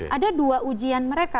ada dua ujian mereka